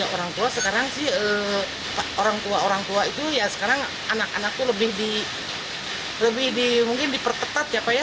orang tua sekarang sih orang tua orang tua itu ya sekarang anak anak itu lebih di mungkin diperketat ya pak ya